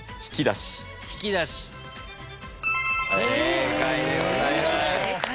正解でございます。